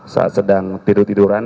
saat sedang tidur tiduran